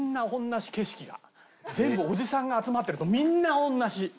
全部おじさんが集まってるとみんな同じ！